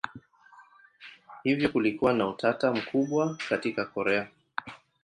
Hivyo kulikuwa na utata mkubwa katika Korea.